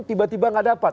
tiba tiba tidak dapat